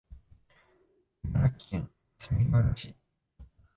茨城県かすみがうら市